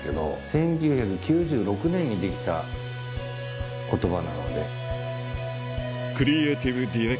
１９９６年にできた言葉なので。